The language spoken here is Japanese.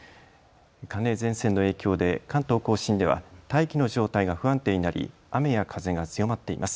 寒冷前線の影響で関東甲信では大気の状態が不安定になり雨や風が強まっています。